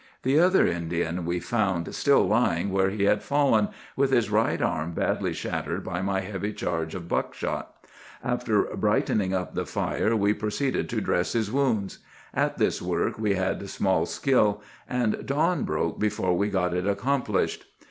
The other Indian we found still lying where he had fallen, with his right arm badly shattered by my heavy charge of buck shot. After brightening up the fire we proceeded to dress his wounds. At this work we had small skill, and dawn broke before we got it accomplished.